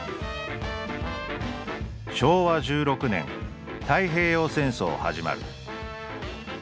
「昭和１６年太平洋戦争始まる」。